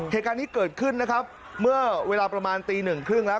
เหตุการณ์นี้เกิดขึ้นนะครับเมื่อเวลาประมาณตีหนึ่งครึ่งแล้ว